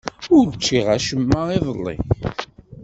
Ur ččiɣ acemma iḍelli.